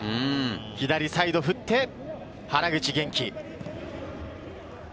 左サイド振って原口元気。